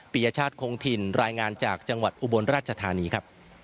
ปียชาติคงถิ่นรายงานจากจังหวัดอุบลราชธานีครับ